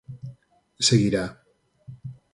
Seguirá.